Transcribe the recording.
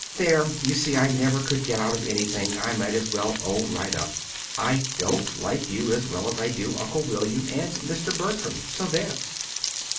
"There! you see I never could get out of anything. I might as well own right up. I DON'T like you as well as I do Uncle William and Mr. Bertram. So there!"